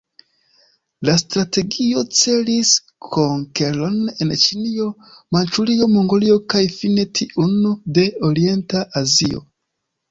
La strategio celis konkeron de Ĉinio, Manĉurio, Mongolio kaj fine tiun de orienta Azio.